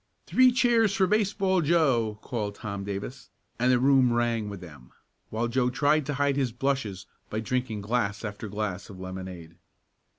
"Three cheers for Baseball Joe!" called Tom Davis, and the room rang with them, while Joe tried to hide his blushes by drinking glass after glass of lemonade.